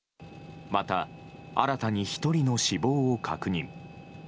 また新たに１人の死亡を確認。